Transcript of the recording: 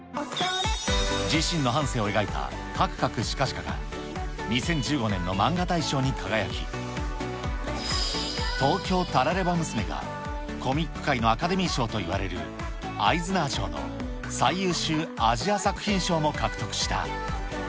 自身の半生を描いたかくかくしかじかが２０１５年のマンガ大賞に輝き、東京タラレバ娘が、コミック界のアカデミー賞といわれるアイズナー賞の最優秀アジア作品賞も獲得した。